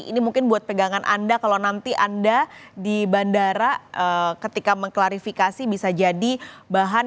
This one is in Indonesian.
ini mungkin buat pegangan anda kalau nanti anda di bandara ketika mengklarifikasi bisa jadi bahan